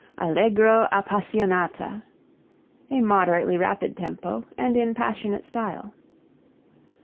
Allegro appassionata a moderately rapid tempo, and in passionate style.